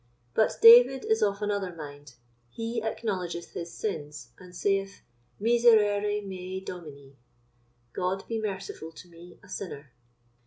But David is of another mind; he acknowledgeth his sins, and saith, "Miserere mei Domini," God be merciful to me a sinner.